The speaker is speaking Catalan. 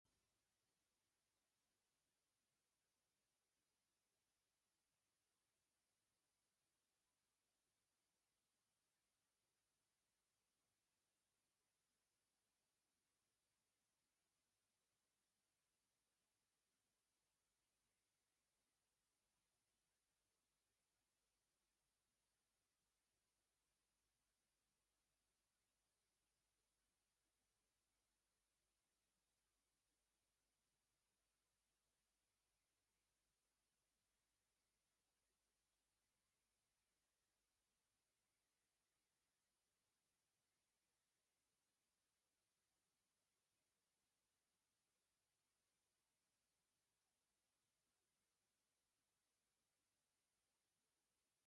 no audio